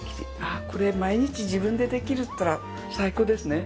ああこれ毎日自分でできるっていったら最高ですね。